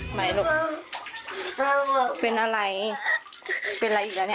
ใหม่ลูกถ้าเป็นอะไรเป็นอะไรอีกแล้วเนี่ย